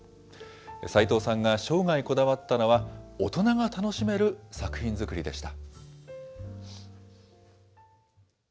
さいとうさんが生涯こだわったのは、大人が楽しめる作品作りでした。